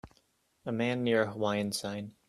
A man near a Hawaiian sign